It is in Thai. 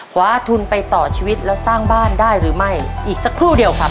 คว้าทุนไปต่อชีวิตแล้วสร้างบ้านได้หรือไม่อีกสักครู่เดียวครับ